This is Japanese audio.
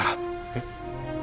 えっ！？